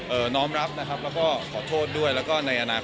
คุณแม่น้องให้โอกาสดาราคนในผมไปเจอคุณแม่น้องให้โอกาสดาราคนในผมไปเจอ